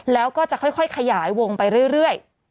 แล้วก็จะค่อยขยายวงไปเรื่อย